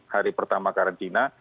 hari pertama karantina